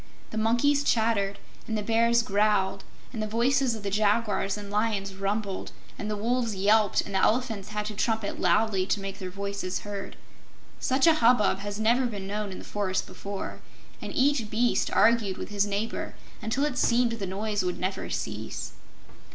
The monkeys chattered and the bears growled and the voices of the jaguars and lions rumbled, and the wolves yelped and the elephants had to trumpet loudly to make their voices heard. Such a hubbub had never been known in the forest before, and each beast argued with his neighbor until it seemed the noise would never cease.